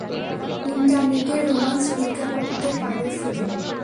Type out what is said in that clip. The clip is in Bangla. ইন্টারনেটে রোমান্স ভিক্ষা করতে পারো শুধু?